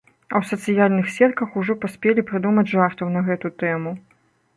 А ў сацыяльных сетках ужо паспелі прыдумаць жартаў на гэту тэму.